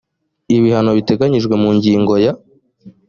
ibihano biteganyijwe mu ngingo ya